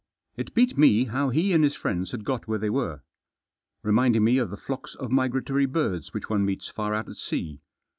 It beat me how he and his friends had got where they were. Reminding me of the flocks of migratory birds which one meets far out at sea.